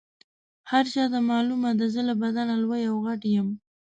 هر چاته معلومه ده زه له بدنه لوی او غټ یم.